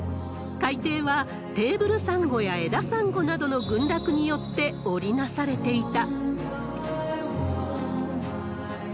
海底はテーブルサンゴやエダサンゴなどの群落によって織り成されていた。